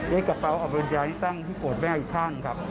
เฮ้ยกลับไปเอาบริจารณ์นี้ตั้งที่โกรธแม่อีกทางครับ